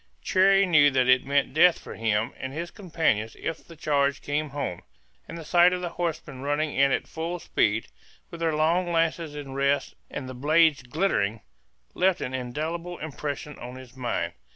Cherrie knew that it meant death for him and his companions if the charge came home; and the sight of the horsemen running in at full speed, with their long lances in rest and the blades glittering, left an indelible impression on his mind.